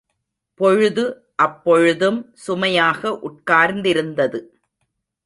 பொழுது அப்பொழுதும் சுமையாக உட்கார்ந்திருந்தது.